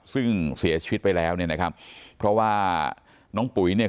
ซึ่งเสียชีวิตไปแล้วเนี่ยนะครับเพราะว่าน้องปุ๋ยเนี่ย